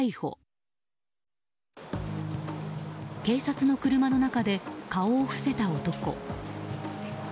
警察の車の中で顔を伏せた男。